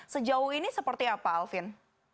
sejauh ini seperti apa alvin